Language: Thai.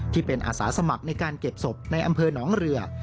ที่เป็นอาสาสมัครในการเก็บศพในอำเภอหนองเรือ